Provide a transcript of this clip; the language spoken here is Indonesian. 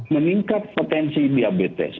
meningkat potensi diabetes